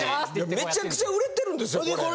めちゃくちゃ売れてるんですよこれ。